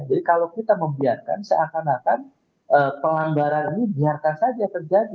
jadi kalau kita membiarkan seakan akan pelambaran ini biarkan saja terjadi